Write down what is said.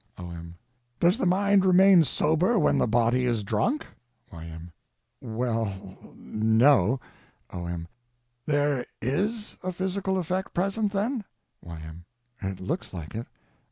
O.M. Does the mind remain sober with the body is drunk? Y.M. Well—no. O.M. There _is _a physical effect present, then? Y.M. It looks like it.